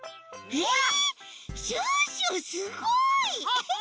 えっ？